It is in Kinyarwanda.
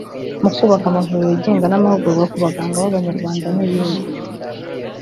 mu kubaka amavuriro yigenga n’amahugurwa ku baganga b’Abanyarwanda n’ibindi